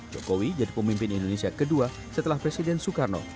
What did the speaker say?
jokowi jadi pemimpin indonesia kedua setelah presiden soekarno